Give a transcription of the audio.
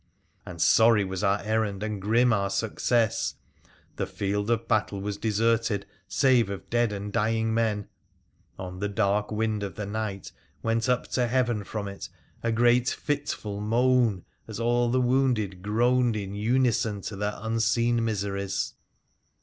And sorry was our errand and grim our success. The field of battle was deserted, save of dead and dying men. On the dark wind of the night went up to heaven from it a great fitful moan, as all the wounded groaned in unison to their PHRA THE PHCENICIAN 73 unseen miseries.